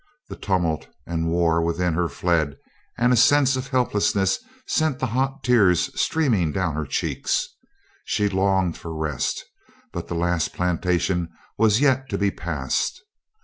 The tumult and war within her fled, and a sense of helplessness sent the hot tears streaming down her cheeks. She longed for rest; but the last plantation was yet to be passed.